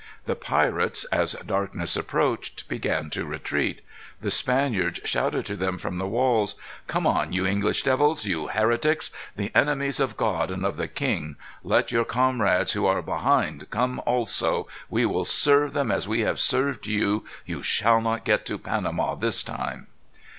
The pirates, as darkness approached, began to retreat. The Spaniards shouted to them from the walls: "Come on, you English devils; you heretics; the enemies of God and of the king. Let your comrades, who are behind, come also. We will serve them as we have served you. You shall not get to Panama this time."